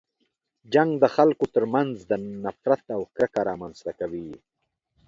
جنګ د خلکو تر منځ نفرت او کرکه رامنځته کوي.